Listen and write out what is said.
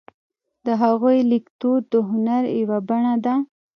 د هغوی لیکدود د هنر یوه بڼه ده.